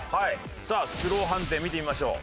さあスロー判定見てみましょう。